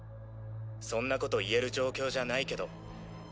そんな事言える状況じゃないけど。